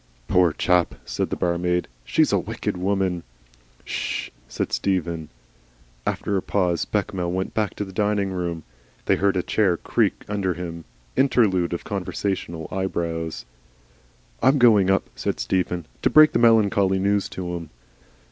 "Poor chap!" said the barmaid. "She's a wicked woman!" "Sssh!" said Stephen. After a pause Bechamel went back to the dining room. They heard a chair creak under him. Interlude of conversational eyebrows. "I'm going up," said Stephen, "to break the melancholy news to him."